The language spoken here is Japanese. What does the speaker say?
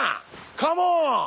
カモン！